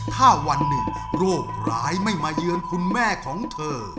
ถ้าวันหนึ่งโรคร้ายไม่มาเยือนคุณแม่ของเธอ